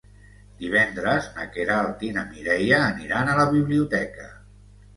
Divendres na Queralt i na Mireia aniran a la biblioteca.